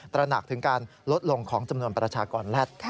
ระหนักถึงการลดลงของจำนวนประชากรแลต